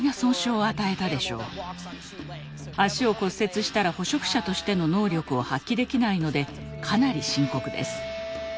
脚を骨折したら捕食者としての能力を発揮できないのでかなり深刻です。